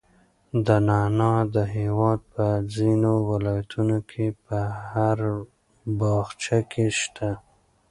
دا نعناع د هېواد په ختیځو ولایتونو کې په هر باغچه کې شته.